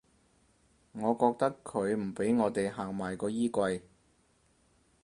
我覺得佢唔畀我地行埋個衣櫃